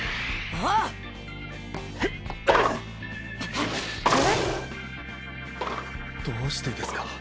桃城：どうしてですか？